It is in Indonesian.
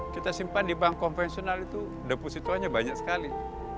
kita simpan di bank konvensional itu depositonya banyak sekali